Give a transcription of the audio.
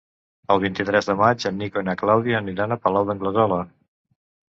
El vint-i-tres de maig en Nico i na Clàudia aniran al Palau d'Anglesola.